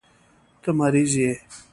ته مريض يې.